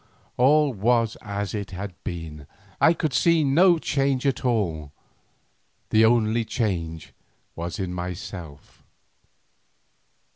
All was as it had been, I could see no change at all, the only change was in myself.